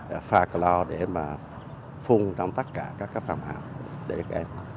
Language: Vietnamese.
và pha cà lo để phun trong tất cả các phòng học